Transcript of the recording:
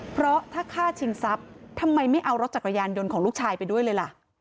เพราะถ้าฆ่าชิงทรัพย์ทำไมไม่เอารถจักรยานยนต์ของลูกชายไปด้วยเลยล่ะ